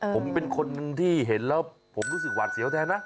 ผมเป็นคนที่เห็นแล้วผมรู้สึกหวาดเสียวแทนนะ